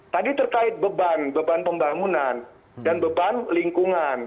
tadi terkait beban beban pembangunan dan beban lingkungan